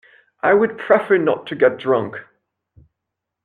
I would prefer not to get drunk.